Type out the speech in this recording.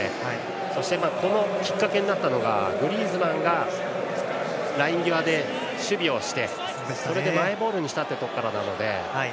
そしてきっかけになったのがグリーズマンがライン際で守備をしてそれでマイボールにしたところからなので。